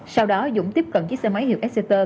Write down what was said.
sau đó dũng tiếp cận chiếc xe máy hiệu sct